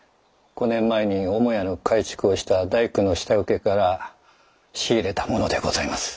５年前に母屋の改築をした大工の下請けから仕入れたものでございます。